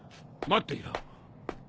待っていろ。